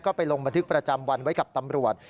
ก็ไปลงบันทึกประจำวันไว้กับตำรวจ